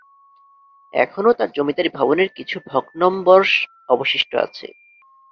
এখনও তার জমিদারী ভবনের কিছু ভগ্নম্বরশ অবশিষ্ট আছে।